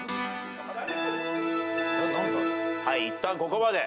いったんここまで。